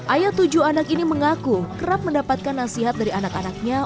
ayah tujuh anak ini mengaku kerap mendapatkan nasihat dari anak anaknya